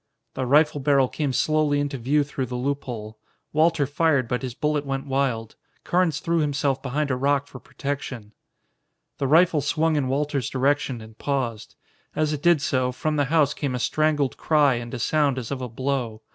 The rifle barrel came slowly into view through the loophole. Walter fired, but his bullet went wild. Carnes threw himself behind a rock for protection. The rifle swung in Walter's direction and paused. As it did so, from the house came a strangled cry and a sound as of a blow.